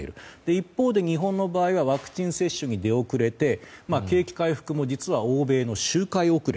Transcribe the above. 一方で日本の場合はワクチン接種に出遅れて景気回復も実は、欧米の周回遅れ。